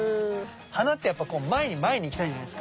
花ってやっぱこう前に前にいきたいじゃないですか。